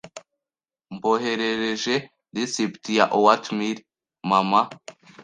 Mboherereje resept ya oatmeal mama.